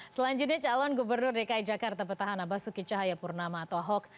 selanjutnya calon gubernur dki jakarta petahan abasuki cahaya purnama atau ahok